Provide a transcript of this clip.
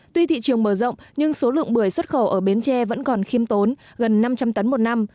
tuy thị trường mở rộng nhưng số lượng bưởi xuất khẩu ở bến tre vẫn còn khiêm tốn gần năm trăm linh tấn một năm